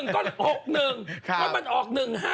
๖๑ก็๖๑รถมันออก๕๑